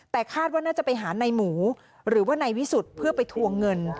แต่คาดว่าน่าจะไปหานายหมูหรือว่านายวิสุทธิ์เพื่อไปทวงเงิน